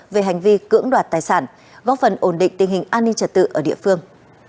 về hành vi cưỡng đoạt tài sản góp phần ổn định tình hình an ninh trật tự ở địa phương